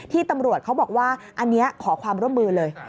ตำรวจเขาบอกว่าอันนี้ขอความร่วมมือเลย